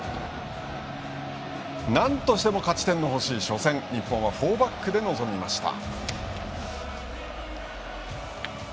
なんとしても勝ち点の欲しい初戦日本はフォーバックで臨みました。